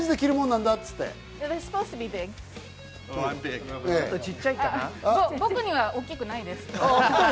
なん僕には大きくないです。